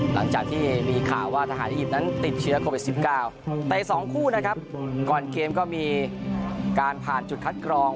หลังจากที่มีข่าวว่าทหารอียิปต์นั้นติดเชื้อโควิด๑๙แต่อีก๒คู่นะครับก่อนเกมก็มีการผ่านจุดคัดกรอง